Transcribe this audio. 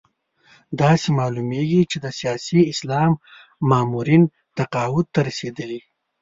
داسې معلومېږي چې د سیاسي اسلام مامورین تقاعد ته رسېدلي.